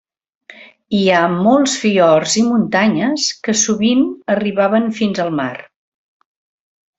Hi ha molts fiords i muntanyes que sovint arribaven fins al mar.